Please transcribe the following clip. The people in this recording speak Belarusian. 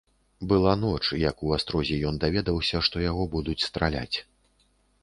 Была ноч, як у астрозе ён даведаўся, што яго будуць страляць.